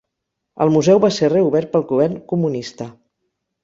El museu va ser reobert pel govern comunista.